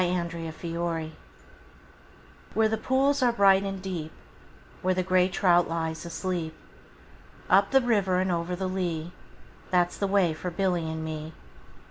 A Boy's Song WHERE the pools are bright and deep, Where the grey trout lies asleep, Up the river and over the lea, That 's the way for Billy and me.